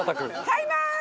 買います！